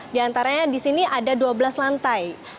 di antaranya disini ada dua belas lantai